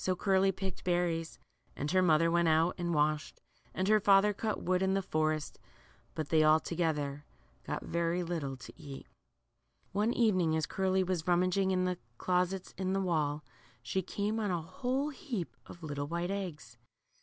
So Curly picked berries, and her mother went out and washed, and her father cut wood in the forest ; hut they all together got very little to eat. One evening as Curly was rummaging in the closets in the wall, she came on a whole heap of little white eggs.